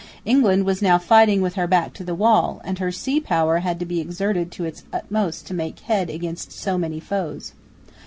England was now fighting with her back to the wall; and her sea power had to be exerted to its utmost to make head against so many foes.